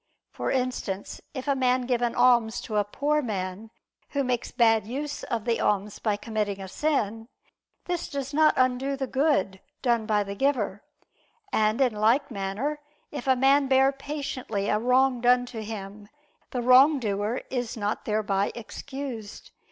For instance, if a man give an alms to a poor man who makes bad use of the alms by committing a sin, this does not undo the good done by the giver; and, in like manner, if a man bear patiently a wrong done to him, the wrongdoer is not thereby excused.